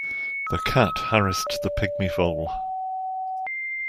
The cat harassed the pygmy vole.